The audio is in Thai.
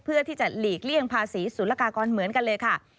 เพื่อที่จะหลีกเลี่ยงภาษีสุรกากรเหมือนกันเลยค่ะ